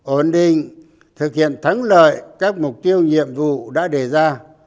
ổn định thực hiện thắng lợi các mục tiêu nhiệm vụ đã đề ra